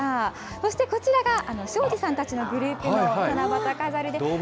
そしてこちらが庄司さんたちのグループの七夕飾りで。